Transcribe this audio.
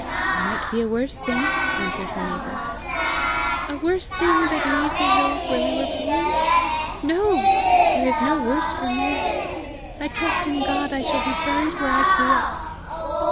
"There might be a worse thing!" answered her neighbour. "A worse thing than leave the hills where we were born? No! There is no worse for me! I trust in God I shall be buried where I grew up!"